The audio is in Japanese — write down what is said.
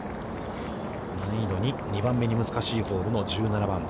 難易度２、２番目に難しいホールの１７番。